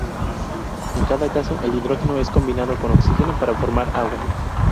En cada caso el hidrógeno es combinado con oxígeno para formar agua.